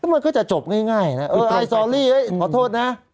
มันก็จะจบง่ายนะเออไทยซอรี่ขอโทษนะ